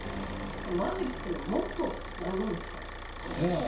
マジックのモットーって何なんですか？